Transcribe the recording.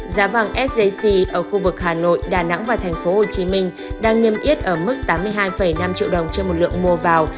giá vàng sjc ở khu vực hà nội đà nẵng và tp hcm đang niêm yết ở mức tám mươi hai năm triệu đồng trên một lượng mua vào